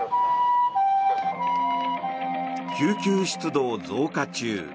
救急出動増加中。